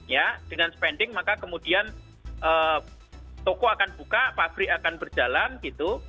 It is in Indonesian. ya dengan spending maka kemudian toko akan buka pabrik akan berjalan gitu